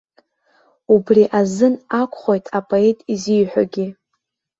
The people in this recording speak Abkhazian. Убри азын акәхоит апоет изиҳәогьы.